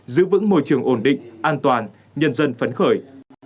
giữ vững môi trường ổn định an toàn nhân dân phấn khởi